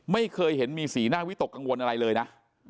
ไม่เคยเห็นมีสีหน้าวิตกกังวลอะไรเลยนะ